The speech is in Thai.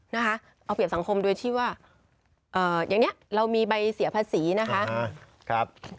นะคะเอาเปรียบสังคมโดยที่ว่าอย่างนี้เรามีใบเสียภาษีนะคะ